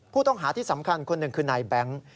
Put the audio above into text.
ผู้ต้องหาที่สำคัญคนหนึ่งคือนายแบงค์